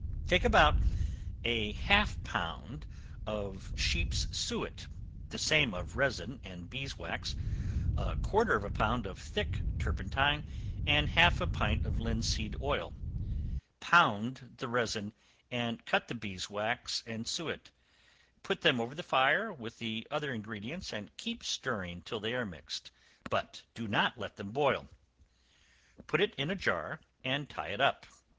Take half a pound of sheep's suet, the same of resin and beeswax, a quarter of a pound of thick turpentine, and half a pint of linseed oil; pound the resin, and cut the beeswax and suet; put them over the fire with the other ingredients, and keep stirring till they are mixed, but do not let them boil; put it in a jar, and tie it up.